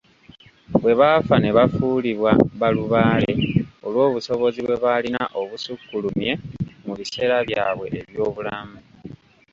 Bwe baafa ne bafuulibwa balubaale olw'obusobozi bwe baalina obusukkulumye mu biseera byabwe eby'obulamu